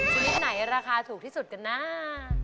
ชนิดไหนราคาถูกที่สุดกันนะ